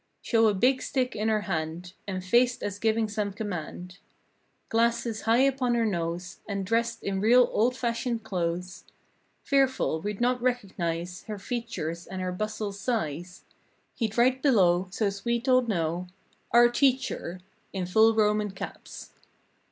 Show a big stick in her hand And faced as giving some command. Glasses high upon her nose And dressed in real old fashioned clothes. Fearful we'd not recognize Her features and her bustle's size. He'd write below So's we'd all know— OUR TEACHER, in full Roman caps.